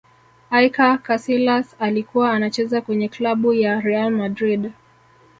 iker casilas alikuwa anacheza kwenye klabu ya real madrid